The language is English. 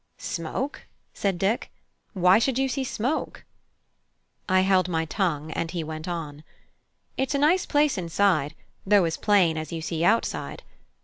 "Smoke?" said Dick; "why should you see smoke?" I held my tongue, and he went on: "It's a nice place inside, though as plain as you see outside.